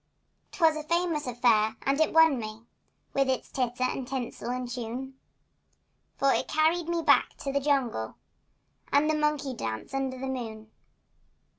'Twas a famous affair and it won me, With its titter and tinsel and tune, For it carried me back to the jungle And the monkey dance under the moon.